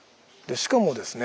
しかもですね